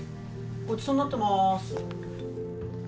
ごちそうになってまーす